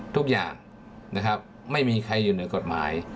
ทุกอย่างไม่มีใครอยู่ในหัวหน้า